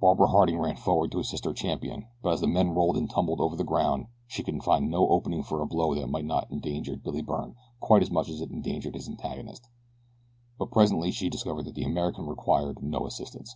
Barbara Harding ran forward to assist her champion but as the men rolled and tumbled over the ground she could find no opening for a blow that might not endanger Billy Byrne quite as much as it endangered his antagonist; but presently she discovered that the American required no assistance.